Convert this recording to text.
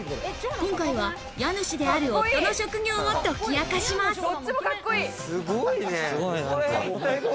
今回は家主である夫の職業を解き明かします。